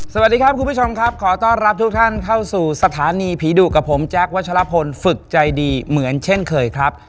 สวัสดีครับคุณผู้ชมครับขอต้อนรับทุกท่านเข้าสู่สถานีผีดุกับผมแจ๊ควัชลพลฝึกใจดีเหมือนเช่นเคยครับ